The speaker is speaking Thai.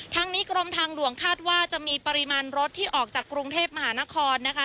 ทั้งนี้กรมทางหลวงคาดว่าจะมีปริมาณรถที่ออกจากกรุงเทพมหานครนะคะ